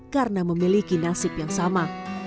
karena memiliki nasib yang sama